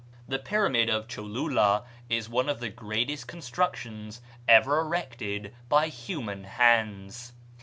The pyramid of Cholula is one of the greatest constructions ever erected by human hands.